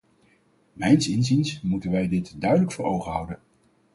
Mijns inziens moeten wij dit duidelijk voor ogen houden.